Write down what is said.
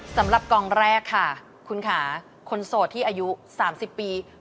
สำหรับกองแรกค่ะคุณค่ะคนโสดที่อายุ๓๐ปี